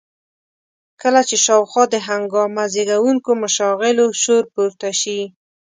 کله چې شاوخوا د هنګامه زېږوونکو مشاغلو شور پورته شي.